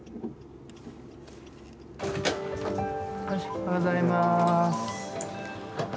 おはようございます。